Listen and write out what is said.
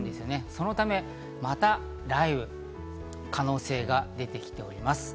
そのため、また雷雨の可能性が出てきております。